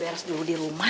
terus k bag dharma